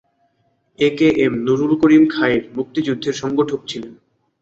এ K M Nurul Karim Khayer মুক্তিযুদ্ধের সংগঠক ছিলেন।